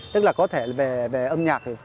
tức là có thể về âm nhạc